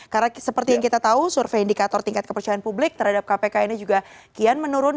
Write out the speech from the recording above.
karena seperti yang kita tahu survei indikator tingkat kepercayaan publik terhadap kpk ini juga kian menurun